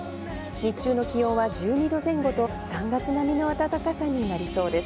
日中の気温は１２度前後と３月並みの暖かさになりそうです。